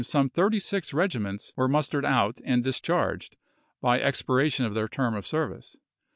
some thirty six regiments were mustered out and discharged, by expiration of their term of service.